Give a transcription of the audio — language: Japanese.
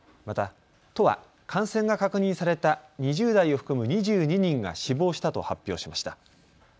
また、都は感染が確認された２０代を含む２２人が死亡したと発表しました。